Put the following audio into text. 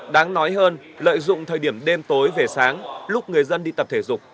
đáng nói hơn lợi dụng thời điểm đêm tối về sáng lúc người dân đi tập thể dục